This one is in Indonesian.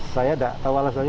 saya tidak tahu